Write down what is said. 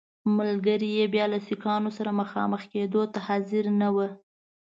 ملګري یې بیا له سیکهانو سره مخامخ کېدو ته حاضر نه ول.